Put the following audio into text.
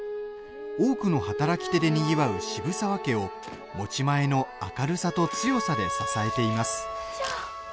多くの働き手でにぎわう渋沢家を持ち前の明るさと強さで支えています。